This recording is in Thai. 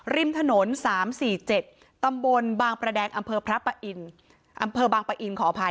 ริมถนน๓๔๗ตำบลบางประแดงอำเภอบางประอินขออภัย